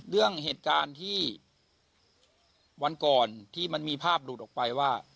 เรื่องเหตุการณ์ที่วันก่อนที่มันมีภาพหลุดออกไปว่า